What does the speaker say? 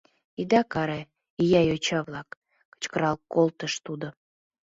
— Ида каре, ия йоча-влак! — кычкырал колтыш тудо.